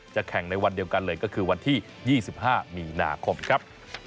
แข่งในวันเดียวกันเลยก็คือวันที่๒๕มีนาคมครับ